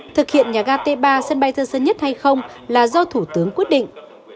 thực hiện nhà ga t ba sân bay thơ sơ nhất hay không là do thủ tướng quyết định